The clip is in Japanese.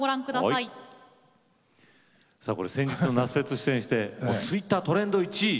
さあこれ先日の夏フェスに出演してツイッタートレンド１位！